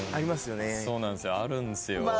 そうなんすよ。